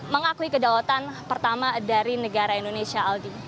mengakui kedaulatan pertama dari negara indonesia aldi